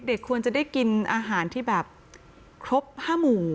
เด็กควรจะได้กินอาหารที่แบบครบ๕หมู่